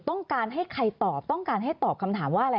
ต้องการให้ใครตอบต้องการให้ตอบคำถามว่าอะไร